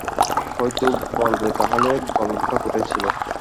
হয়তো বলবে তাহলে গলদটা কোথায় ছিল?